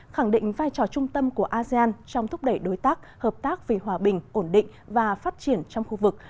khẳng định vai trò trung tâm của asean trong thúc đẩy đối tác hợp tác vì hòa bình ổn định và phát triển trong khu vực